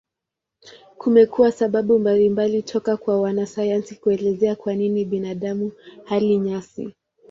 Kumekuwa sababu mbalimbali toka kwa wanasayansi kuelezea kwa nini binadamu hali nyasi.